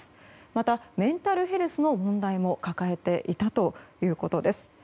また、メンタルヘルスの問題も抱えていたということです。